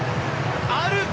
あるのか！